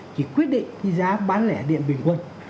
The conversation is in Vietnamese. chỉ quyết định giá bán lẻ điện bình quân